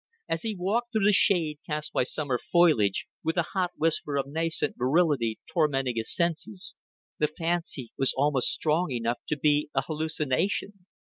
As he walked through the shade cast by summer foliage, with a hot whisper of nascent virility tormenting his senses, the fancy was almost strong enough to be a hallucination.